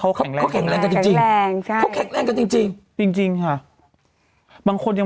เขาแข็งแรงแข็งแรงใช่เขาแข็งแรงจริงจริงค่ะบางคนยัง